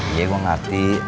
iya gua ngerti